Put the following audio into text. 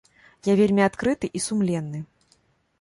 Я вельмі адкрыты і сумленны.